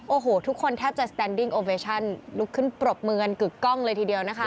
โอ้โหทุกคนแทบจะลุกขึ้นปรบเมืองกึกกล้องเลยทีเดียวนะคะ